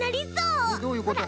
えっどういうこと？